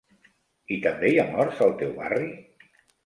I també hi ha morts al teu barri?